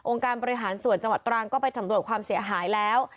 การบริหารส่วนจังหวัดตรังก็ไปสำรวจความเสียหายแล้ว